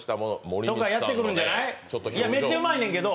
めっちゃうまいねんけど。